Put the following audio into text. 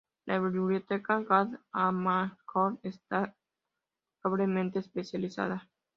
La Biblioteca Dag Hammarskjöld está doblemente especializada.